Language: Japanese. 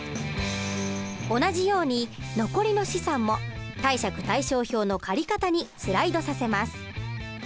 同じように残りの資産も貸借対照表の借方にスライドさせます。